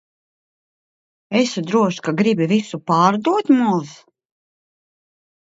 Esi drošs, ka gribi visu pārdot, Moz?